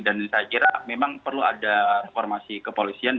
dan saya kira memang perlu ada informasi kepolisian